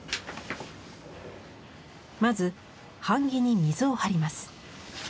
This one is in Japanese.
まず版木に水をはります。